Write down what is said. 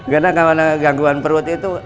karena kalau ada gangguan perut itu